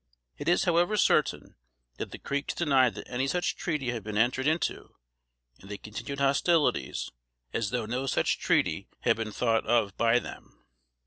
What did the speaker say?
It is however certain, that the Creeks denied that any such treaty had been entered into; and they continued hostilities, as though no such treaty had been thought of by them.